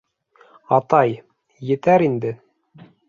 — Атай, етәр инде.